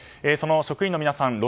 その職員の皆さん